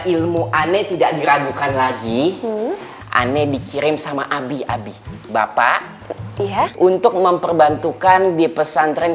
ilmu aneh tidak diragukan lagi aneh dikirim sama abi abi bapak ya untuk memperbantukan di pesantren